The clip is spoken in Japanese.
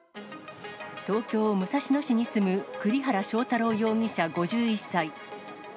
東京・武蔵野市に住む栗原正太郎容疑者５１歳。